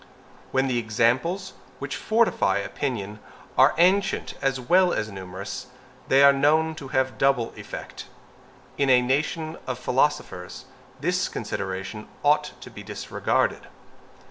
When the examples which fortify opinion are ANCIENT as well as NUMEROUS, they are known to have a double effect. In a nation of philosophers, this consideration ought to be disregarded.